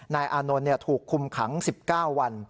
อานนท์ถูกคุมขัง๑๙วัน